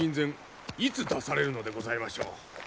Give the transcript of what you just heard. いつ出されるのでございましょう。